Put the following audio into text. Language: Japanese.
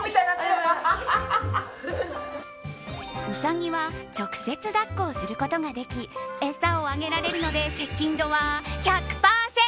ウサギは直接抱っこすることができ餌をあげられるので接近度は１００％。